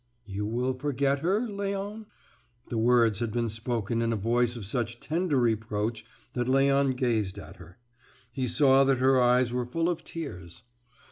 "You will forget her, Léon?" The words had been spoken in a voice of such tender reproach that Léon gazed at her. He saw that her eyes were full of tears.